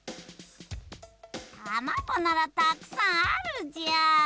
たまごならたくさんあるじゃーん。